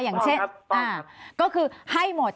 ต้องครับต้องครับอย่างเช่นก็คือให้หมด